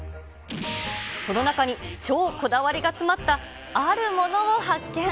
その中に、超こだわりが詰まった、あるものを発見。